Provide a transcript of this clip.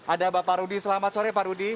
ada bapak rudy selamat sore pak rudi